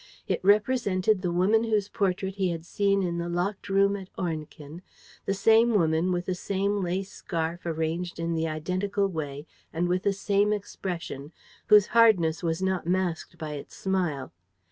It represented the woman whose portrait he had seen in the locked room at Ornequin, the same woman, with the same lace scarf arranged in the identical way and with the same expression, whose hardness was not masked by its smile.